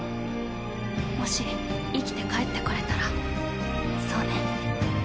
もし生きて帰って来れたらそうね